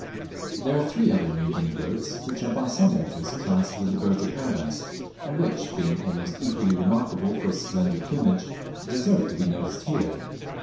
There are three other New Guinea birds which are by some authors classed with the Birds of Paradise, and which, being almost equally remarkable for splendid plumage, deserve to be noticed here.